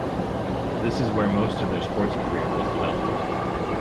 This is where most of their sports career was developed.